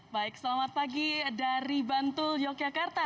baik selamat pagi dari bantul yogyakarta